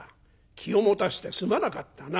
気を持たしてすまなかったな」。